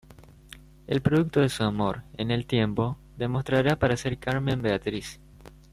El producto de su amor, en el tiempo, demostrará para ser Carmen Beatriz.